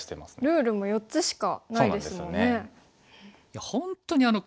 ルールも４つしかないですもんね。